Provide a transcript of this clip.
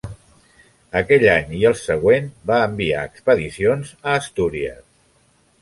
Aquell any i el següent va enviar expedicions a Astúries.